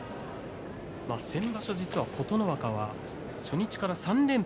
先場所、琴ノ若は初日から３連敗。